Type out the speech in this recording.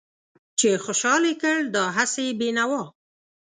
چې خوشحال يې کړ دا هسې بې نوا